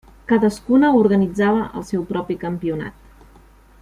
Cadascuna organitzava el seu propi campionat.